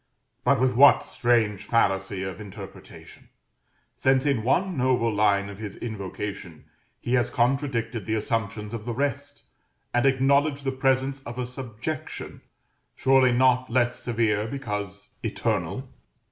But with what strange fallacy of interpretation! since in one noble line of his invocation he has contradicted the assumptions of the rest, and acknowledged the presence of a subjection, surely not less severe because eternal?